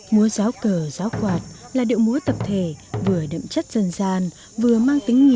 múa giáo cờ giáo quạt là điệu múa tập thể vừa đậm chất dần dàn vừa mang tính nghi lễ